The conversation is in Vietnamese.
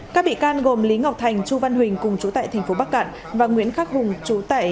các bị can gồm lý ngọc thành chu văn huỳnh cùng chú tại thành phố bắc cạn và nguyễn khắc hùng chú tại